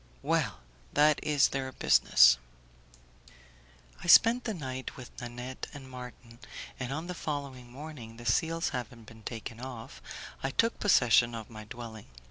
"Well, that is their business." I spent the night with Nanette and Marton, and on the following morning, the seals having been taken off, I took possession of my dwelling.